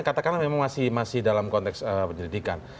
katakanlah memang masih dalam konteks penyelidikan